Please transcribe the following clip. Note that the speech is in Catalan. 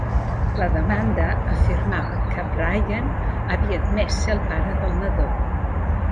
La demanda afirmava que Brian havia admès ser el pare del nadó.